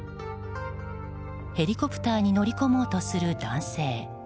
ヘリコプターに乗り込もうとする男性。